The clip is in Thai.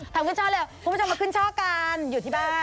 ผู้ประชาปุ๋กมาขึ้นช่อกริกอยู่ที่บ้าน